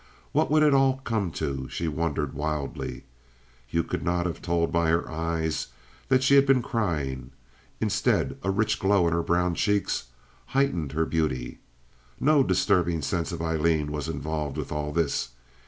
What would it all come to? she wondered, wildly. You could not have told by her eyes that she had been crying. Instead, a rich glow in her brown cheeks heightened her beauty. No disturbing sense of Aileen was involved with all this.